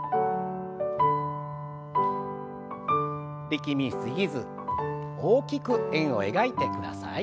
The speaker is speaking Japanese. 力み過ぎず大きく円を描いてください。